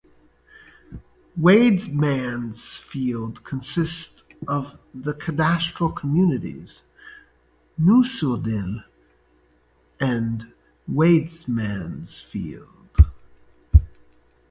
Waidmannsfeld consists of the cadastral communities Neusiedl and Waidmannsfeld.